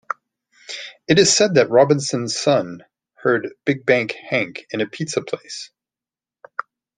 It is said that Robinson's son heard Big Bank Hank in a pizza place.